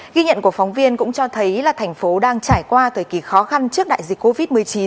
ghi nhận của phóng viên cũng cho thấy là thành phố đang trải qua thời kỳ khó khăn trước đại dịch covid một mươi chín